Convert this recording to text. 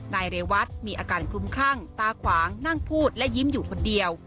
เรวัตมีอาการคลุมคลั่งตาขวางนั่งพูดและยิ้มอยู่คนเดียว